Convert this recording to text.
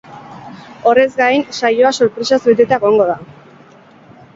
Horrez gain, saioa sorpresaz beteta egongo da.